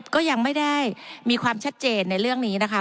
ก็ยังไม่ได้มีความชัดเจนในเรื่องนี้นะคะ